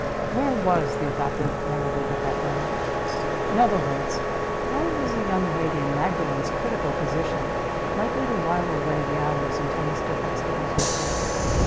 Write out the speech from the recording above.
Where was the adopted relative at that moment? In other words, how was a young lady in Magdalen's critical position likely to while away the hours until Mr. Huxtable 's return?